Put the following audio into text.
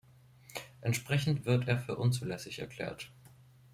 Entsprechend wird er für unzulässig erklärt.